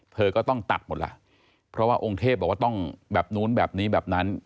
เธอก็ต้องตัดหมดล่ะเพราะว่าองค์เทพบอกว่าต้องแบบนู้นแบบนี้แบบนั้น